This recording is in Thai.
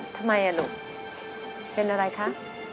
ทำไมลูกเป็นอะไรคะ